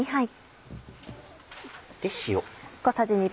塩。